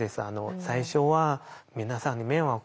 最初は皆さんに迷惑かける。